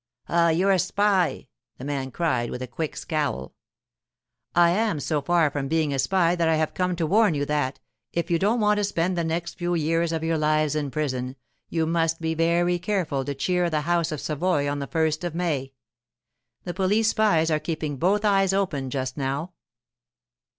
'Ah—you're a spy!' the man cried, with a quick scowl. 'I am so far from being a spy that I have come to warn you that, if you don't want to spend the next few years of your lives in prison, you must be very careful to cheer the House of Savoy on the first of May. The police spies are keeping both eyes open just now.